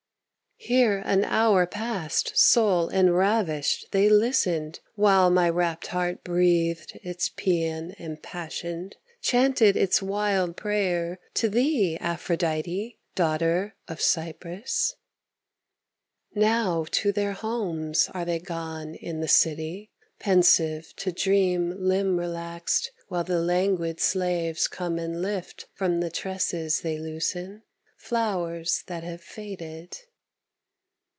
Here an hour past soul enravished they listened While my rapt heart breathed its pæan impassioned, Chanted its wild prayer to thee, Aphrodite, Daughter of Cyprus; Now to their homes are they gone in the city, Pensive to dream limb relaxed while the languid Slaves come and lift from the tresses they loosen, Flowers that have faded.